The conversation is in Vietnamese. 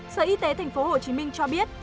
sở y tế tp hcm cho biết